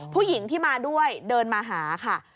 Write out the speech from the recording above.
ผู้หญิงที่มาด้วยเดินมาหาค่ะ